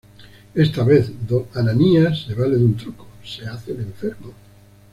Esta vez, don Ananías se vale de un truco: se hace el enfermo.